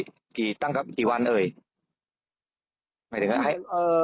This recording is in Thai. ออกกิ๋ตั้งครับอีกกี่วันเอ่ยไปถึงเอ่อ